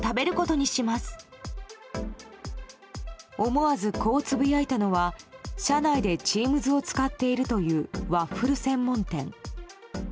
思わず、こうつぶやいたのは社内でＴｅａｍｓを使っているというワッフル専門店。